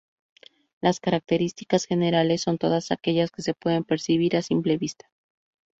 Las características generales son todas aquellas que se pueden percibir a simple vista.